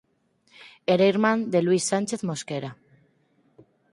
Era irmán de Luís Sánchez Mosquera.